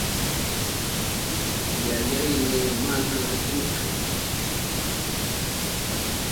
Yayayni mana rukuchu.